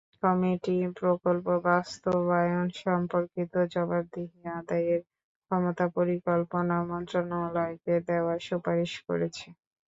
Committee প্রকল্প বাস্তবায়নসম্পর্কিত জবাবদিহি আদায়ের ক্ষমতা পরিকল্পনা মন্ত্রণালয়কে দেওয়ার সুপারিশ করেছে।